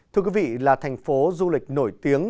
thưa quý vị là thành phố du lịch nổi tiếng